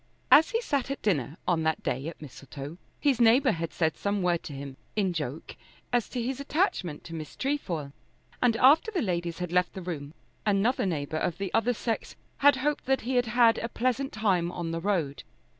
As he sat at dinner on that day at Mistletoe his neighbour had said some word to him in joke as to his attachment to Miss Trefoil, and after the ladies had left the room another neighbour of the other sex had hoped that he had had a pleasant time on the road.